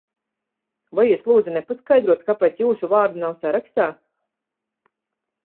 Vai jūs, lūdzu, nepaskaidrotu, kāpēc jūsu vārda nav sarakstā?